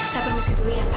saya permisi dulu ya pak